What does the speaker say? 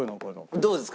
どうですか？